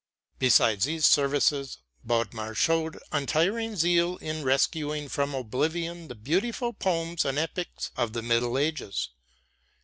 Besides these services, Bodmer showed untiring zeal in rescuing from oblivion the beautiful poems and epics of the Middle Ages.